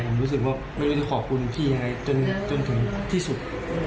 ผมรู้สึกว่าไม่รู้จะขอบคุณพี่ยังไงจนถึงที่สุด